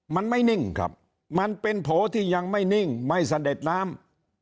มันไม่นิ่งครับมันเป็นโผล่ที่ยังไม่นิ่งไม่เสด็จน้ำ